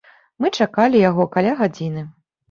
Мы чакалі яго каля гадзіны.